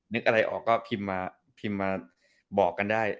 นึกอะไรออกก็พิมพ์มาบอกกันได้